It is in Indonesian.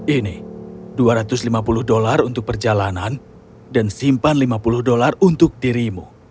ini dua ratus lima puluh dolar untuk perjalanan dan simpan lima puluh dolar untuk dirimu